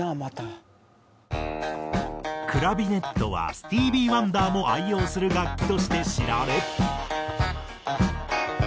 クラビネットはスティーヴィー・ワンダーも愛用する楽器として知られ。